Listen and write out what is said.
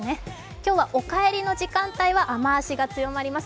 今日はお帰りの時間帯は雨足が強まります。